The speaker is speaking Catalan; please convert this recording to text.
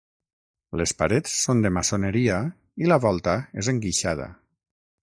Les parets són de maçoneria i la volta és enguixada.